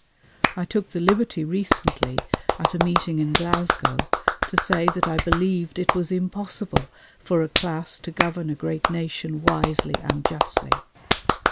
I took the liberty recently, at a meeting in Glasgow, to say that I believed it was impossible for a class to govern a great nation wisely and justly.